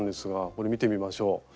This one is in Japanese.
これ見てみましょう。